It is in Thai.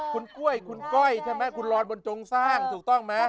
คุณกล้วยคุณก้อยใช่ไหมคุณรอนบนจงสร้างถูกต้องไหม